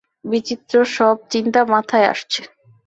বিচিত্র সব চিন্তা মাথায় আসছে।